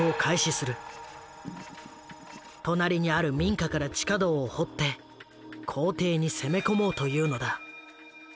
隣にある民家から地下道を掘って公邸に攻め込もうというのだ。